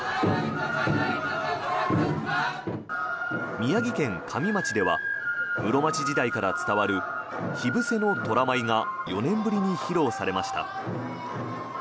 宮城県加美町では室町時代から伝わる火伏せの虎舞が４年ぶりに披露されました。